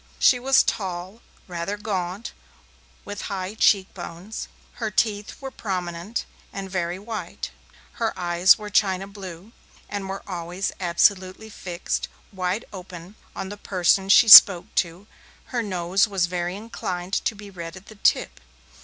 She was tall, rather gaunt, with high cheek bones; her teeth were prominent and very white; her eyes were china blue, and were always absolutely fixed, wide open, on the person she spoke to; her nose was inclined to be red at the tip.